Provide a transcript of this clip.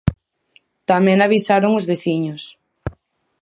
Tamén a avisaron os veciños.